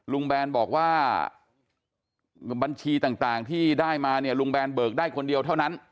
แบนบอกว่าบัญชีต่างที่ได้มาเนี่ยลุงแบนเบิกได้คนเดียวเท่านั้น